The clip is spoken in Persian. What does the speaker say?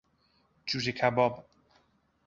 جوجه کباب